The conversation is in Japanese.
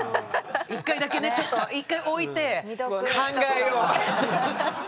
一回だけねちょっと一回置いて考えよう。